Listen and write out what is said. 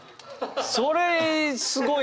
それすごいね。